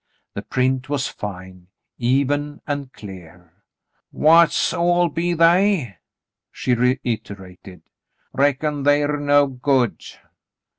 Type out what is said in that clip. The print was fine, even, and clear. "What all be they?" she reiterated. "Reckon the're no good